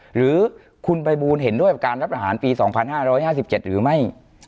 หรือคุณไปบูลเห็นด้วยการรับอาหารปี๒๕๕๗หรือไม่